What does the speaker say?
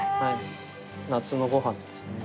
夏のご飯ですね。